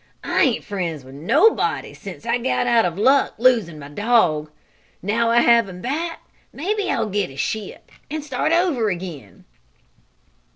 "I ain't friends with nobody since I got out of luck losing my dog. Now I have him back maybe I'll get a ship, and start over again."